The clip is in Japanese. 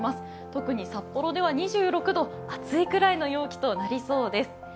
特に札幌では２６度、暑いくらいの陽気となりそうです。